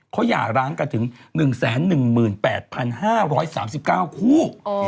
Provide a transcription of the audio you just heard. เขาหย่าร้างกันถึง๑๑๘๕๓๙คู่